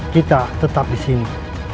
kita tetap di sini